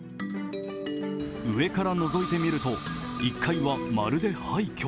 上からのぞいてみると１階はまるで廃虚。